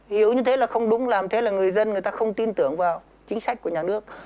hiểu như thế là không đúng làm thế là người dân người ta không tin tưởng vào chính sách của nhà nước